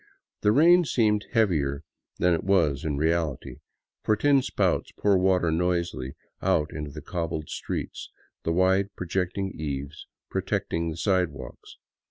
The rain seemed heavier than it was in reality, for tin spouts pour the water noisily out into the cobbled streets, the wide, projecting eaves protecting the sidewalks.